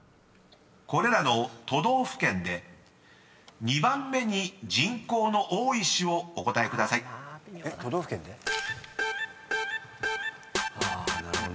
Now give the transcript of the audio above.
［これらの都道府県で２番目に人口の多い市をお答えください］都道府県で？